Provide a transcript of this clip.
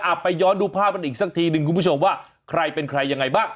ไปย้อนดูภาพกันอีกสักทีหนึ่งคุณผู้ชมว่าใครเป็นใครยังไงบ้าง